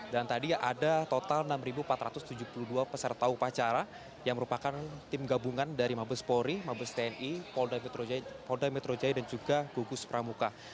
dan tadi ada total enam empat ratus tujuh puluh dua peserta upacara yang merupakan tim gabungan dari mabes polri mabes tni pol dametrojai dan juga gugus pramuka